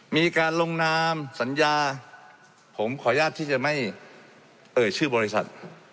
มีการลงนามสัญญาผมขออนุญาตที่จะไม่เอ่ยชื่อบริษัท